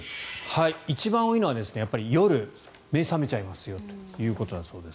一番多いのは夜、目が覚めちゃいますよということだそうです。